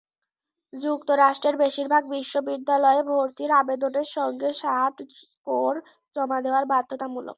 যুক্তরাষ্ট্রের বেশির ভাগ বিশ্ববিদ্যালয়ে ভর্তির আবেদনের সঙ্গে স্যাট স্কোর জমা দেওয়া বাধ্যতামূলক।